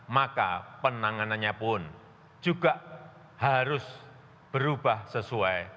maka penanganannya pun juga harus berubah sesuai